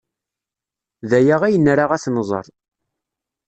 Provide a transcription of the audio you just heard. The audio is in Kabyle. D aya ay nra ad t-nẓer.